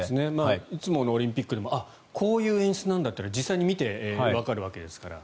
いつものオリンピックでもこういう演出なんだというのは実際に見てわかるわけですから。